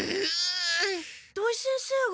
土井先生が。